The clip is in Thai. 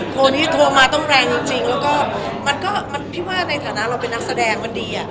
โทรนี้โทรมาต้องแรงจริงแล้วก็มันก็พี่ว่าในฐานะเราเป็นนักแสดงมันดีอ่ะ